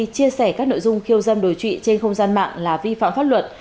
chia sẻ các nội dung khiêu dâm đối trụy trên không gian mạng là vi phạm pháp luật